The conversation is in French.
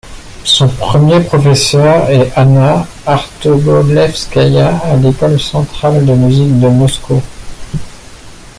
Son premier professeur est Anna Artobolevskaïa à l'école centrale de musique de Moscou.